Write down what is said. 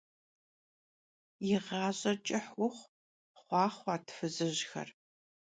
Yi ğaş'er ç'ıh vuxhu! - xhuaxhuert fızıjxer.